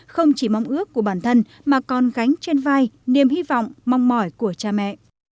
không chỉ mong ước của bản thân mà còn gánh trên vai niềm hy vọng mong mỏi của cha mẹ